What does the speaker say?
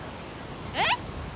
えっ！？